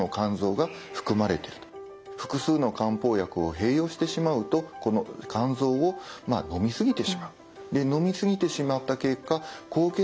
複数の漢方薬を併用してしまうとこの甘草をのみ過ぎてしまう。